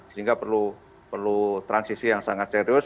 sehingga perlu transisi yang sangat serius